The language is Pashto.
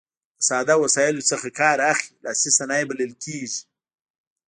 له ساده وسایلو څخه کار اخلي لاسي صنایع بلل کیږي.